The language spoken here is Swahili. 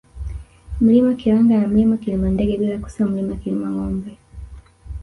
Mlima Kilanga na Mlima Kilimandege bila kusahau Mlima Kilimangombe